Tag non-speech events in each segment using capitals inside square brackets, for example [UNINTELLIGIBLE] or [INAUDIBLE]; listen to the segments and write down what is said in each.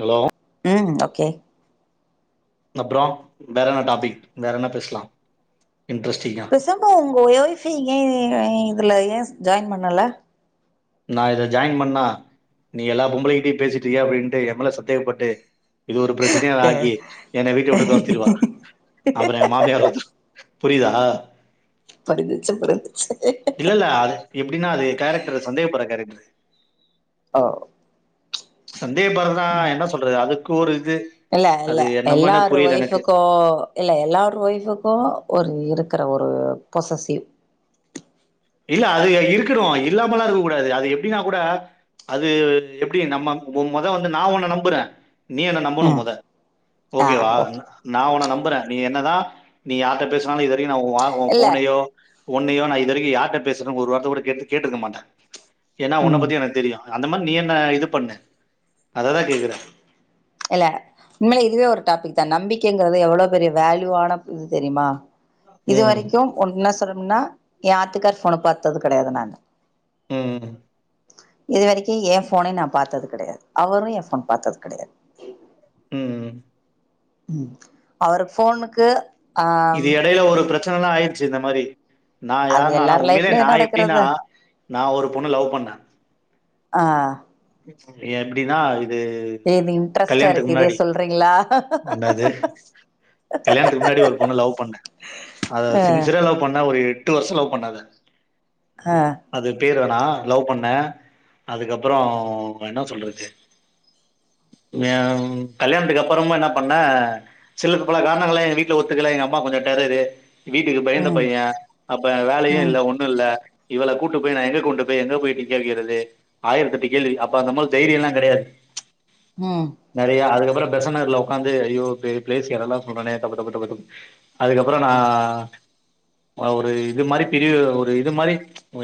Hello ம் okay அப்றோ வேற என்ன டாபிக் வேற என்ன பேசலா இன்ட்ரெஸ்டிங்கா பேசாம உங்க ஒய்ஃப் ஏ இதுல ஏ ஜாயின் பண்ணல நா இத ஜாயின் பண்ணா நீ எல்லா பொம்பளகிட்டயே பேசிட்ருக்கியா அப்டின்ட்டு என்மேல சந்தேகப்பட்டு இது ஒரு பிரச்சினயா அவ ட ஆக்கி என்ன வீட்ட விட்டு தொரத்திருவா அப்றோ ஏ மாமியாரு வந்துரு புரிதா படிஞ்சிருச்சு புரிந் இல்ல இல்ல அ எப்டினா அது கேரக்டர் சந்தேகப்படற கேரக்டரு ஆ சந்தேக படறதுனா என்ன சொல்றது அதுக்கு ஒரு இது இல்ல இல்ல அது என்னமானு எல்லாரு புரியல எனக்கு ஒய்ஃபுக்கு இல்ல எல்லாரு ஒய்ஃபுக்கு ஒரு இருக்கிற ஒரு ஒரு பொசசிவ் இல்ல அது இருக்கணு இல்லாமல்லா இருக்க கூடாது அது எப்டினா கூட அது எப்டி நம்ம மு மொத வந்து நா உன்ன நம்புற நீ என்ன நம்பனு ம் மொத ஆ ஓகேவா ஓகே நா உன்ன நம் புர நீ என்னதா நீ யார்ட்ட பேசினாலு இதுவரையு நா உ அ இல்ல போனயோ ஒன்னயோ நா இது வரைக்கு யார் ட்ட பேசுறோ ஒரு வார்த்த கூட கேட்டு கேட்டுருக்க மாட்ட ஏனா உன்ன ம் பத்தி எனக்கு தெரியு அந்த மாரி நீ என்ன இது பண்னு அததா கேக்கற இல்ல உண்மலயே இதுவே ஒரு டாபிக்தா நம்பிக்கைங்கறது எவ்ளோ பெரிய வேல்யூவான இது தெரியுமா இது ம் வரைக்கு ஒன்னா சொல்லனும்னா ஏ ஆத்துக்கார் ஃபோன பாத்தது கெடையாது நானு ம் இது வரைக்கு என் ஃபோனே நா பாத்தது கெடையாது அவரு என் ஃபோன் பாத்தது கெடையாது ம் ம் அவரு ஃபோனுக்கு ஆ இது இடைல ஒரு பிரச்சன எல்லா ஆயிருச்சு இந்த மாரி நா அது யார்னா ஆனா எல்லார் உண்மையிலேயே நா லைஃப்லயு எப்டினா நடக்கறது நா ஒரு பொண்ண லவ் பண்ண ஆ எப்டினா இது இது இன்ட்ரெஸ்ட்டா கல்யாணத்துக்கு இருக்கு இதே முன்னாடி சொல்றீங்களா ரெண்டாது கல்யாணத்துக்கு முன்னாடி ஒரு பொண்ண லவ் பண்ண அத ஆ சின்சியரா லவ் பண்ண ஒரு எட்டு வருஷோ லவ் பண்ண அத ஆ அது பேர் வே டா லவ் பண்ண அதுக்கப்றோ என்னா சொல்றது ம்மியாம் கல்யாணத்துக்கு அப்றமா என்ன பண்ண சிலக்கு பல காரணங்ளா எங்க வீட்ல ஒத்துக்கல எங்க அம்மா கொஞ்சோ டேரரு வீட்டுக்கு பயந்த ம் பைய அப்ப வேலையு ம் இல்ல ஒன்னு இல்ல இவள கூட்டு போய் நா எங்க கொண்டு போய் எங்க போய் நிக்க வெக்கிறது ஆயிரத்தெட்டு கேள்வி அப்ப இந்த மாரி தைரியோ எல்லா கெடையாது ம் நெறயா அ ப்புறோ பெசன்னகர்ல உட்காந்து அய்யோ பெ பிளேஸ்ல்லா சொல்றனே அதுக்கப்றோ நா ஒரு இது மாரி பெரிய ஒரு இது மாரி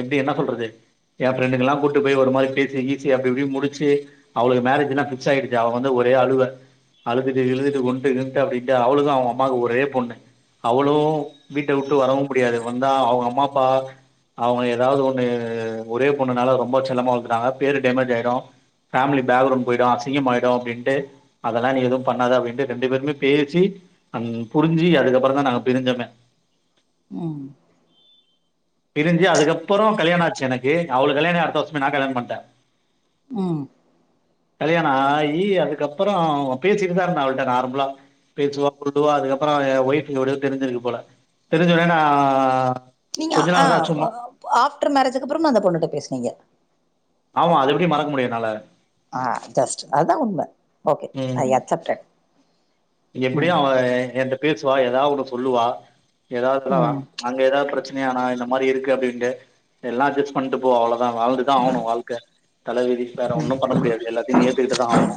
எப்டி என்ன சொல்றது என் ஃப்ரெண்டுக்கெல்லா கூட்டு போய் ஒரு மாரி பேசி கி சி அப்டி இப்டி முடிச்சு அவுளுக்கு மேரேஜ்ல்லா ஃபிக்ஸ் ஆயிடுச்சு அவ வந்து ஒரே அழுவ அழுதுட்டு கிழுதுட்டு கொண்ட்டு கின்ட்டு அப்டின்ட்டு அவுளுக்கு அவ அம்மாக்கு ஒரே பொண்ணு அவளு வீட்ட விட்டு வரவு முடியாது வந்தா அவுங்க அம்மா அப்பா அவுங்க எதாவது ஒன்னு ஒரே பொண்ணுனால ரொம்ப செல்லமா வளத்துட்டாங்க பேரு டேமேஜ் ஆயிடு ஃபேம்லி பேக்ரவுண்ட் போயிடு அசிங்கமாயிடு அப்டின்ட்டு அதெல்லா நீ எது பண்ணாத அப்டின்ட்டு ரெண்டு பேருமே பேசி அ புரிஞ்சி அதுக்கப்பறந்தா நாங்க பிரிஞ்சமே ம் பிரிஞ்சி அதுக்கப்பறோ கல்யாணாச்சு எனக்கு அவுளுக்கு கல்யாணாயி அடுத்த வர்ஷமே நா கல்யாணம் பண்டே ம் கல்யாணோ ஆயி அதுக்கப்றோ பேசிட்டுதா இருந்தே அவள்ட்ட நார்மலா பேசுவா புருட்டுவா அதுக்கப்றோ ஏ ஒய்ஃபுக் எப்டியோ தெரிஞ்சிருக்கு போல தெரிஞ்ச உன்னே நா நீங்க கொஞ்ச ஆ நாள் தா சும்மா வ ஆஃப்டர் மேரேஜுக்கப்றமு அந்த பொண்ணுட்ட பேஸ்னீங்க ஆமா அது எப்டி மறக்க முடியு என்னால ஆ ஜஸ்ட் அதா உண்ம ஓகே ஐ அக்சட்டேட் இங்க எப்டியு அவ என்ட்ட பேசுவா எதா ஒன்னு சொல்லுவா எதாதுன்னா ம் அங்க எதாத் பிரச்சனையானா இந்த மாரி இருக்கு அப்டின்ட்டு எல்லா அஜ்ஜெஸ்ட் பண்ட்டு போ அவ்ளோ தா வாழ்ந்து தா ஆவனு வாழ்க்க தலவிதி வேற ஒன்னு பண்ண முடியாது எல்லாத்தயு நீ ஏத்துக்கிட்டு தா ஆவனு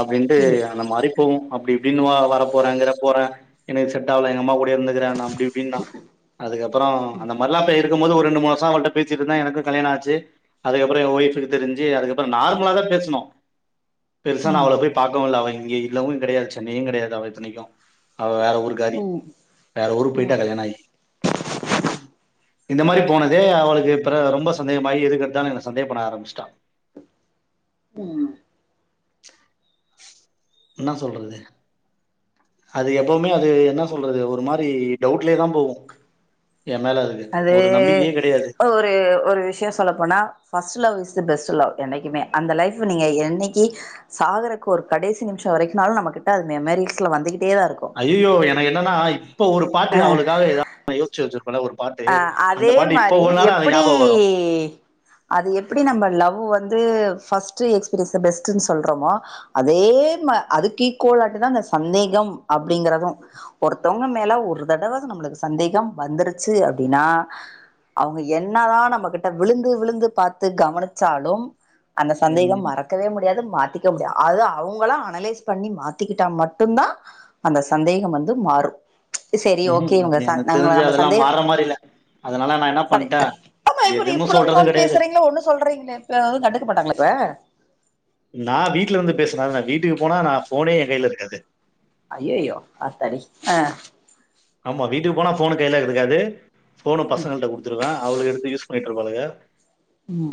அப்டின்ட்டு ம் அந்த மாரி டு அப்டி இப்டின்னுவா வரப்போற கிரப்போற எனக்கு செட்டாவ்ல எங்கம்மா கூடயே இருந்து கறனா அப்டி இப்டின்னா அதுக்கப்றோ அந்த மார்ல்லா போய் இருக் கும்போது ஒரு ரெண்டு மூனு வர்சோ அவள்ட்ட பேசிட்ருந்தே எனக்கு கல்யாணோ ஆச்சு அதுக்கப்பறோ எ ஒய்ஃபுக்கு தெரிஞ்சி அதுக்கப்பறோ நார்மலாதா பேசுனோ பெருசா நா ம் அவள போய் பாக்கவு இல்ல அவ இங்க இல்லவு கெடயாது சென்னையுங்கெடயாது அவ இத்தனைக்கு அவ வேற ஊர்க்காரி ம் வேற ஊருக்கு போய்ட்டா ம் கல்யாணாயி இந்த மாரி போனதே அவளுக்கு இப்பறோ ரொம்ப சந்தேகமாயி எதுக்கெட்த்தாலு என்ன சந்தேகப்பட ஆரம்மிஸ்ட்டா ம் ப்ச் என்ன சொல்றது அது எப்பவுமே அது என்ன சொல்றது ஒரு மாரி டவுட்லே தா போகு அது ஓ ஒரு ஒரு விஷ்யோ சொல்ல போனா first love is the best love என்னைக்குமே அந்த லைஃப நீங்க என்னைக்கு சாகறக்கு ஒரு கடைசி நிம்ஷோ வரைக்னாலு நம்ம கிட்ட அது மெமரி வீட்ல வந்துகிட் அய்யயோ எனக் என்னன்னா இப்ப ஒரு பாட்டு அவளுக்காக எதா ஒன்னு யோஸ்ச்சு வெச்சிரு அ அதே மாரி அது எப்பிடி ஞாபகம் வரும். அது எப்டி நம்ம லவ் வந்து ஃபஸ்ட்டு எக்ஸ்ப்ரீ இஸ் த பெஸ்ட்டுனு சொல்றமோ அதே மா அதுக் ஈகோலாட்டிதா அந்த சந்தேக ம் அப்டிங்கறது ஒருத்தவங்க மேல ஒரு தடவ நம்ளுக்கு சந்தேகம் வந்துரு ச்சு அப்டின்னா அவுங்க என்ன தா நம்மகிட்ட விழுந்து விழுந்து பாத்து கவனிச்சாலும் அந்த ம். சந்தேகம் மறக்கவே முடியாது மாத்திக்க முடியா அது அவுங்களா அனலைஸ் பண்ணி மாத்திக்கிட்டா மட்டுந்தா அந்த சந்தேகம் வந்து மாறு செரி ஓகே இவுங்க ச ந இவுங்கள நம்ம சந்தேக வர மாரி இல்ல அதுனால நா என்ன பண்ட்டே ஏ பயப்பட்றீங்க இப்பளோ கால் பேசறீங்களே ஒன்னு சொல்றீங்களே இப்ப எது கண்டுக்க மாட்டாங்ளா இப்ப நா வீட்லர்ந்து பேஸ்னாதான வீட்டுக்கு போனா நா ஃபோனே எங்கைல இருக்காது அய்யயோ ஆத்தாடி ஆ ஆமா வீட்டுக்கு போனா ஃபோனு கைல இருக்காது ஃபோனு பசங்கள்ட்ட குடுத்துருவே அவுளுகெடுத்து யூஸ் பண்ணி ட்ருப்பாளுக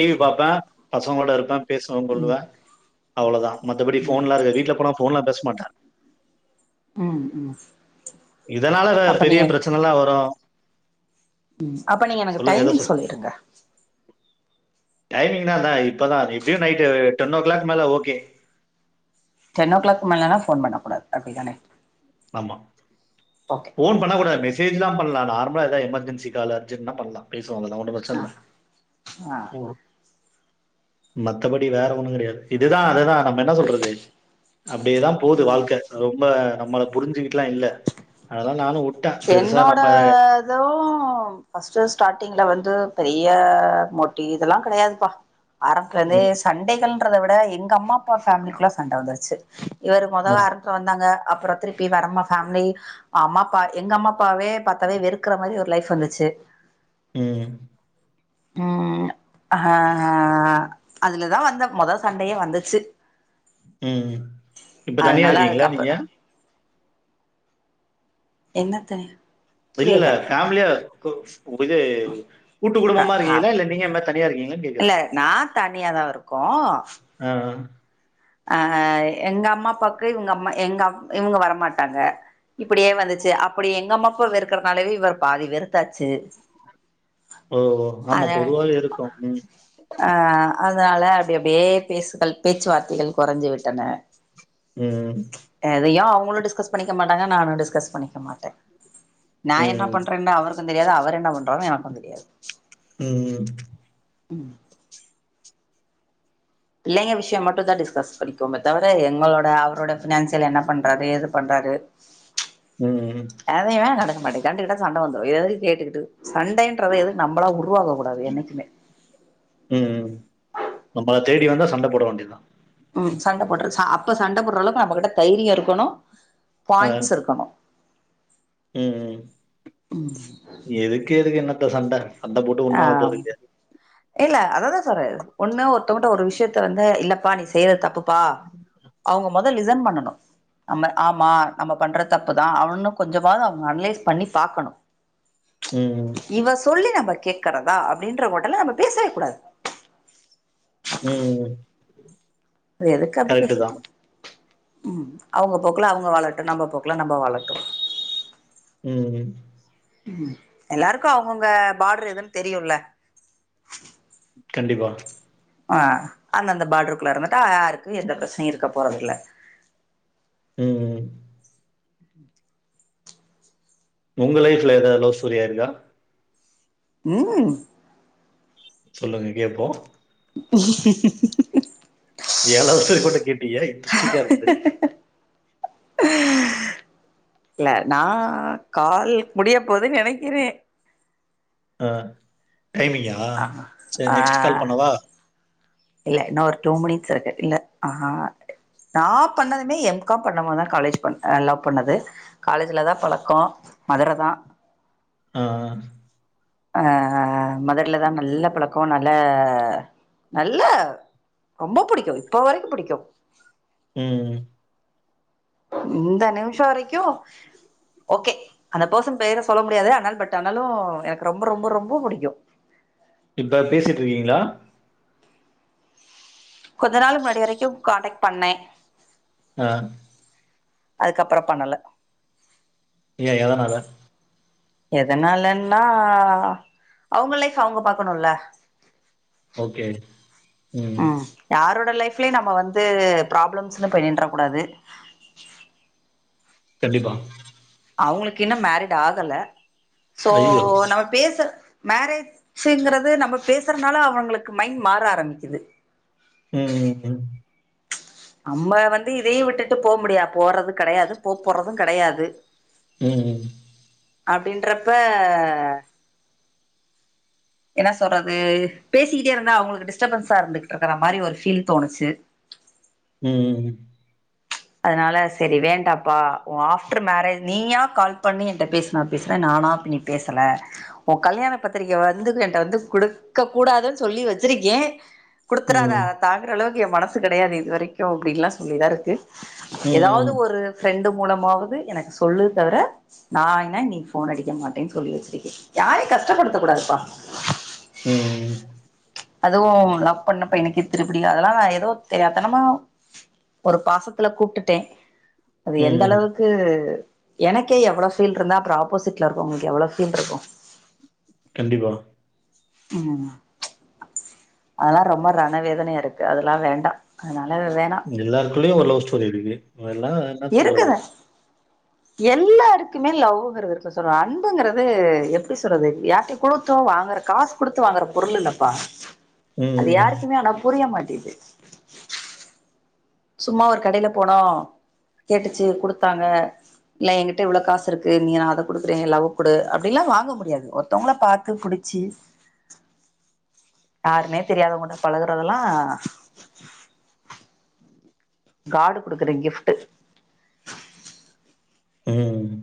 டி வி பாப்பே பசங்களோட இருப்பே பேசுவங்கொள்ளுவ அவ்ளோதா மத்தபடி ஃபோன்லா இருக்காது வீட்ல போனா ஃபோன்லா பேஸ்மாட்டே ம் ம் இதனால வே அப்ப பெரிய நீங்க பிரச்சனல்லா வரு ம் அப்ப நீங்க எனக்கு சொல்லுங்க, ஏதோ சொல் டைமிங் சொல்லீருங்க டைமிங்னா என்னா இப்பதா எப்டியு நைட்டு டென்னோ கிளாக் மேல ஓகே டென் ஓ க்ளாக் மேலன்னா ஃபோன் பண்ண கூடாது அப்டிதான ஆமா ஃபோன் பண்ணக் கூடாது மெசேஜ்லா பண்ணலா நார்ம் மா எதா எமர்ஜென்சி காலு அர்ஜென்னா பண்லா பேசுவாங்கள [UNINTELLIGIBLE] ஆ பிரச்னல்ல ஆ மத்தபடி வேற ஒண்ணு கெடையாது இதுதா அதுதா நம்ம என்ன சொல்றது அப்டியேதா போது வாழ்க்க ரொம்ப நம்மள புரிஞ்சு அதெலா நா என்னோடது ஃபஸ்ட்டு ஸ்டார்டிங்ள வந்து பெரி ய மொட்டி இதெல்லா கெடையாதுப்பா ஆரம்த்துலந்தே ம். சண்டைகள் ட்றத விட எங்க அம்மா அப்பா ஃபேமிலிக்குள்ள சண்ட வந்துருச்சு இவர் மொத அ. ஆரம்பத்துல வந்தாங்க அப்றோ திருப்பி வரமா ஃபேமிலி அம்மா அப்பா எங்க அம்மா அப்பாவே பாத்தாவே வெறுக்குற மாரி ஒரு லைஃப் வந்துச்சு. ம் அ அஹ்ஹ அதுலதா வந்த மொதோ சண்டையே வந்துச்சு ம். இப்ப தனியா அதனால இருக்கீங்களா அதுக்கப்பு நீங்க? என்னத்த இல்ல இல்ல ஃபேமிலியா கு, இது கூட்டு க குடும்பமா ஆ இருக்கீங்கள இல்ல நீங்க மெத் தனியா இருக்கீங்களான்னு கேக்குறே இல்ல நா தனியாதா இருக்கோ அ அ அஅ எங்க அம்மா அப்பாக்கு இவங்க அம்மா எங்க அம் இவங்க வரமாட்டாங்க இப்படியே வந்துச்சி அப்படி எங்க அம்மா அப்பாவ வெறுக்கறனாலவே இவர பாதி வெறுத்தாச்சு. ஓ ஓ ஆமா பொதுவாவே இருக்கு ம். அ அதனால அப்டி அப்டியே பேசுகள் பேச்சுவார்த்தைகள் கொறைஞ்சு விட்டன. ம் [UNINTELLIGIBLE] களு டிஸ்கஸ் பண்ணிக்க மாட்டாங்க நானு டிஸ்கஸ் பண்ணிக்க மாட்டே நா என்ன ம். பண்றேன்டு அவருக்கு தெரியாது, அவர் என்ன பண்றாருன்னு எனக்கு தெரியாது. ம்ம் ம் பிள்ளைங்க விஷியோ மட்டு தா டிஸ்கஸ் படிக்கோமே தவர எங்களோட ட அவரோட பினான்சியல் என்ன பண்றாரு ஏது பண்றாரு, ம் அதையம நடக்க மாட்டிக் கண்டுகிட்டா சண்ட வந்துரு எதுக்கு கேட்டுக்கிட்டு சண்டைன்றத எதுவு நம்பளா உருவாக்க கூடாது என்னைக்குமே ம்ம் நம்பள தேடி வந்தா சண்ட போட வேண்டியதுதா ம் சண்ட போடுற சா அப்ப சண்ட போடுற அளவுக்கு நம்பகிட்ட தைரியே இருக்கணு பாயிண்ட்ஸ் இருக்கணு ம்ம் எதுக்கு எதுக்கு என்னத்த சண்ட அந்த போட்டு ஆ ஒன்னு ஆவ போறது கிடையாது. இல்ல அததா சொல்றே ஒண்ணு ஒர்த்தவங்கட்ட ஒரு விஷயத்த வந்து இல்லப்பா நீ செய்றது தப்புப் பா அவங்க மொதல் லிசன் பண்ணனு நம்ம ஆமா நம்ப பண்ற தப்புதா அவனு கொஞ்சமாவது அவங்க அனலைஸ் பண்ணி பாக்கணு ம் ம்ச் இவ சொல்லி நம்ம கேக்குறதா அப்டின்ற [UNINTELLIGIBLE] பேசவே கூடாது. ம்ம் எதுக்கு அப்டி பேசிட்டு ம் அவங்க போக்குல அவங்க வாழட்டு, நம்ப போக்குல நம்ப வாழட்டு ம் ம் ம் எல்லாருக்கு அவங்கவுங்க பார்டர் எதுன்னு தெரியுல. கண்டிப்பா ஆ, அந்தந்த பார்ட்ரு குள்ளர மட்டு யாருக்கு எந்த பிரச்சனையு இருக்க போறதில்ல. ம்ம் உங்க லைஃப்ல ஏதாவது லவ் ஸ்டோரி ஆயிருக்கா. ம் சொல்லுங்க கேப்போ. [INAUDIBLE] ஏ லவ் ஸ்டோரி மட்டு கேப்பபீங்க [INAUDIBLE] இருக்குது. இல்ல நா கால் முடிய போதுன்னு நெனக்கிறே அஹ டைமிங்கா ஆ சேரி ஆ நெக்ஸ்ட் கால் பண்ணவா இல்ல இன்னு ஒரு டூ மினிட்ஸ் இருக்கு. இல்ல ஆஹா நா பண்ணதுமே எம் காம் பண்ண போதுதா காலேஜ் பண்ண லவ் பண்ணது காலேஜ்லதா பலக்கோ மதுர தா ஆஹ் அஹ் மதுரலதா நல்ல பலக்கோ நல்ல நல்ல ரொம்ப புடிக்கு இப்போ வரைகு புடிக்கு ம் ம் இந்த நிமிஷ வரைக்கு ஓகே அந்த பர்சன் பேர சொல்ல முடியாது ஆனால் பட் ஆனாலு எனக்கு ரொம்ப ரொம்ப ரொம்ப புடிக்கு இப்ப பேசிட்ருக்கீங்களா கொஞ்ச நாள் முன்னாடி வரைக்கு கான்டக்ட் பண்ணே ஆஹ் அதுக்கப்பரோ பண்ணல ஏ எதனால எதனாலன்னா அவுங்க லைஃப் அவுங்க பாக்கனுல ஓகே ம் யாரோட லைஃப் ப்ல நம்ம வந்து ப்ராப்ளம்ஸ்னு போய் நின்ற கூடாது கண்டிப்பா அவுங்ளுக்கு இன்னு மேரிட் ஆகல சோ ஐயோ நம்ம பேச மேரேஜ்ங்கரது நம்ம பேசுறனால அவுங்களுக்கு மைண்ட் மாற ஆரம்பிக்கிது ம் ம் நம்ம வந்து இதயு விட்டுட்டு போ முடியா போறது கெடையாது போ போறது கெடையாது ம் ம் அப்டின்ரப்ப என்ன சொல்றது பேசிக்கிட்டே இருந்தா அவுங்களுக்கு டிஸ்டபன்ஸா இருந்துகிட்டு இருக்கற மாதிரி ஒரு ஃபீல் தோணுச்சு ம் ம் அதனால சேரி வேண்டாப்பா உ ஆஃப்டர் மேரேஜ் நீயா கால் பண்ணி என்ட்ட பேசினா பேசுறே நா நானா பன்னி பேசல உ கல்யாண பத்திரிக்க வந்துது என்ட வந்து குடுக்க கூடாதுனு சொல்லி வச்சிரு ஏ குடுத்துராதா ம், அத தாங்குற அளவுக்கு எ மனசு கெடையாது இது வரைக்கு அப்டின்லா சொல்லிதா இருக்கு ஏதாவது ம், ஒரு ஃப்ரெண்டு மூலமாவது எனக்கு சொல்லு தவர நான்ன நீ போன் அடிக்க மாட்டேன்னு சொல்லி வச்சிருக்கே யாரு க கஷ்டப்படுத்தக் கூடாதுப்பா உஹம் அதுவு லவ் பண்ணப்ப இன்னைக்கு திருபுடி அதெல்லா ஏதோ தெரியாத்தனமா ஒரு பாசத்துல கூப்டுட்டே அது எந்த ம். அளவுக்கு எனக்கே எவ்ளோ பீல்ருந்தா அப்ரோ ஆப்போசிட்ல இருக்கவுங்களுக்கு எவ்ளோ ஃபீல்ருக்கு கண்டிப்பா ம் அதெல்லா ரொம்ப ரணவேதனையா இருக்கு அதெல்லா வேண்டா அதனால [UNINTELLIGIBLE] வேணா குள்ளயு ஒரு லவ் ஸ்டோரி இருக்கு எல்லா என்ன சொல்றது இருக்குது எல்லாருக்குமே லவ்ங்கிறது இருக்கு சொல்ற அன்புங்கிறது எப்டி சொல்றது யார்டயு குடுத்தோ வாங்க காஸ் குடுத்து வாங்குற பொருள் இல்லப்பா அது ம், யாருக்குமே ஆனா புரிய மாட்டேது சும்மா ஒரு கடையில போனோ கேட்டுச்சு குடுத்தாங்க இல்ல எங்கிட்ட இவள காசிருக்கு நீ நா அத குடுக்குறே நீ லவ்வ குடு அப்டின்லா வாங்க முடியாது ஒருத்தவ்ங்ள பாத்து புடிச் சு [INAUDIBLE] யாருனே தெரியாதவங்கள்ட பழகுறதெலா காடு குடுக்குற கிஃப்ட்டு ம்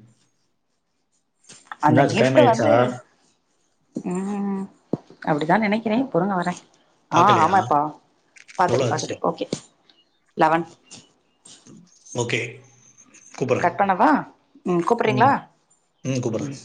அந்த என்னாச்சு டைம் கிஃப்ட் வந்து ஆயிடுச்சா? ம் அப்டிதா நெனைக்கிறே பொறுங்க வரே ஆ பாக்கலையா? ஆமாப்பா எவ்ளோ பாத்துட்டே ஆச்சு? பாத்துட்டே ஓகே லவன் ஓகே. கூப்புட்றேன். கட் பண்ணவா ம் கூப்பறிங்ளா ம்